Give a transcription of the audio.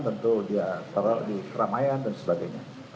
tentu dia taruh di keramaian dan sebagainya